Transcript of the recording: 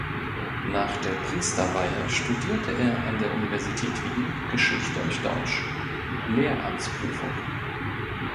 Nach der Priesterweihe studierte er an der Universität Wien Geschichte und Deutsch (Lehramtsprüfung).